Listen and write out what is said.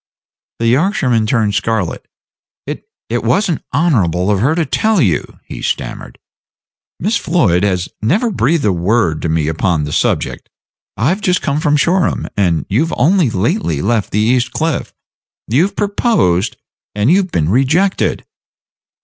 The Yorkshireman turned scarlet. "It it was n't honorable of her to tell you," he stammered. "Miss Floyd has never breathed a word to me upon the subject. I've just come from Shoreham, and you've only lately left the East Cliff. You've proposed, and you've been rejected."